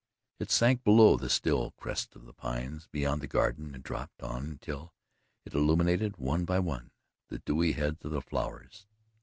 It sank below the still crests of the pines beyond the garden and dropped on until it illumined, one by one, the dewy heads of the flowers.